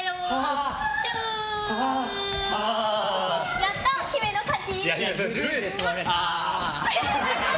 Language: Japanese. やったー、姫の勝ち！